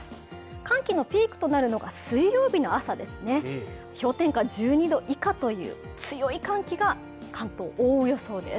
寒気のピークとなるのが水曜日の朝ですね、氷点下１２度以下という強い寒気が関東を覆う予想です。